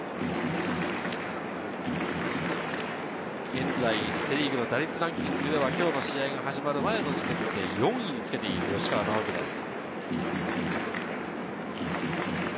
現在セ・リーグの打率ランキングでは今日の試合が始まる前で４位につけている吉川尚輝です。